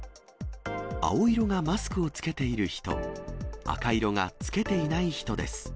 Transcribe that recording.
青色がマスクを着けている人、赤色が着けていない人です。